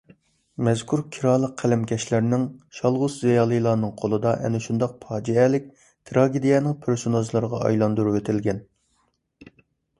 مەزكۇر كىرالىق قەلەمكەشلەرنىڭ، شالغۇت زىيالىيلارنىڭ قولىدا ئەنە شۇنداق پاجىئەلىك تىراگېدىيەنىڭ پېرسوناژلىرىغا ئايلاندۇرۇۋېتىلگەن.